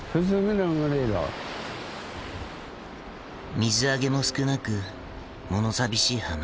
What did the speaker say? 水揚げも少なく物寂しい浜。